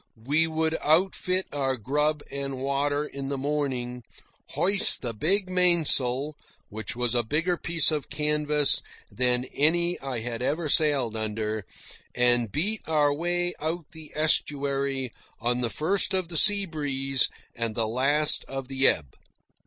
We would outfit our grub and water in the morning, hoist the big mainsail (which was a bigger piece of canvas than any I had ever sailed under), and beat our way out the estuary on the first of the seabreeze and the last of the ebb.